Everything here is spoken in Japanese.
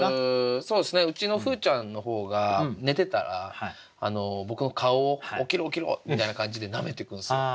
そうですねうちのふうちゃんの方が寝てたら僕の顔を「起きろ起きろ」みたいな感じでなめてくるんすよ。